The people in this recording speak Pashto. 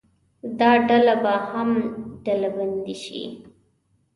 دا ډله به هم ډلبندي شي.